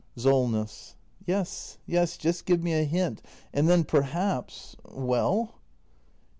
Solness. Yes, yes, just give me a hint, and then perhaps Well?